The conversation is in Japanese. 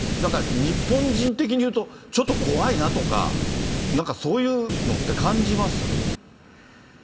日本人的に言うと、ちょっと怖いなとか、なんかそういうのって感じます？